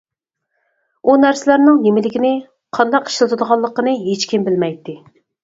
ئۇ نەرسىلەرنىڭ نېمىلىكىنى، قانداق ئىشلىتىدىغانلىقىنى ھېچكىم بىلمەيتتى.